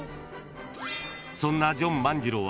［そんなジョン万次郎は］